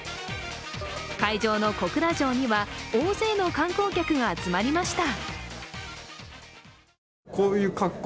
会場の小倉城には大勢の観光客が集まりました。